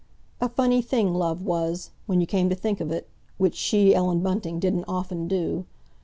A funny thing love was, when you came to think of it—which she, Ellen Bunting, didn't often do.